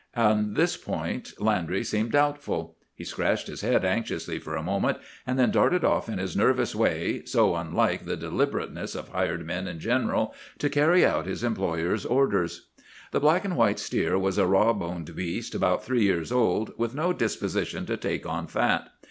"On this point Landry seemed doubtful. He scratched his head anxiously for a moment, and then darted off in his nervous way, so unlike the deliberateness of hired men in general, to carry out his employer's orders. "The black and white steer was a raw boned beast, about three years old, with no disposition to take on fat.